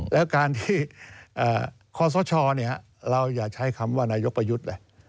แล้วการที่คอสชเราอย่าใช้คำว่านายกประยุทธ์นะ